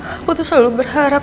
aku tuh selalu berharap